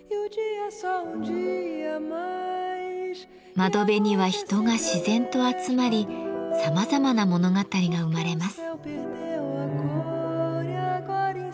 窓辺には人が自然と集まりさまざまな物語が生まれます。